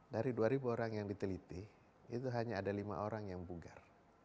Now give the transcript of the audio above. dari dua orang yang diteliti itu hanya ada lima orang yang bugar